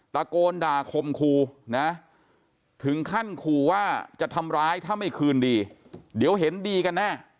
ตะโกนด่าคมครูนะถึงขั้นขู่ว่าจะทำร้ายถ้าไม่คืนดีเดี๋ยวเห็นดีกันแน่